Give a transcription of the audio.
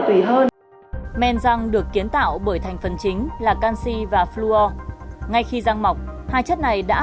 tùy hơn men răng được kiến tạo bởi thành phần chính là canxi và flure ngay khi răng mọc hai chất này đã